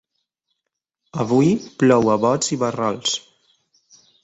Avui plou a bots i barrals.